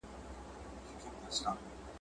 زموږ پر کور باندي نازل دومره لوی غم دی `